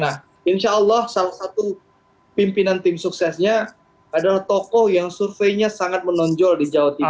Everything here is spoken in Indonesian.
nah insya allah salah satu pimpinan tim suksesnya adalah tokoh yang surveinya sangat menonjol di jawa timur